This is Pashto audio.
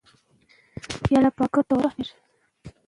چې دغه څيړنه زما د ځانګړو هلو ځلو او کوښښونو نتيجه ده